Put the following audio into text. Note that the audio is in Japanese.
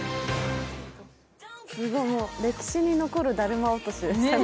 歴史に残る、だるま落としでしたね。